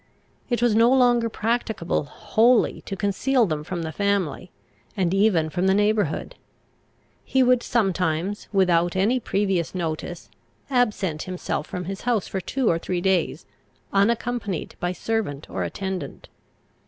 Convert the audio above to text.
It was no longer practicable wholly to conceal them from the family, and even from the neighbourhood. He would sometimes, without any previous notice, absent himself from his house for two or three days, unaccompanied by servant or attendant.